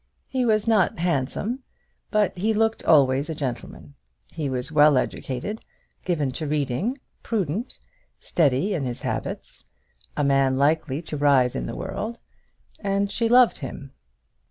He was not handsome, but he looked always like a gentleman. He was well educated, given to reading, prudent, steady in his habits, a man likely to rise in the world; and she loved him.